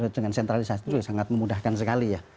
dengan sentralisasi itu sangat memudahkan sekali ya